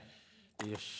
よし。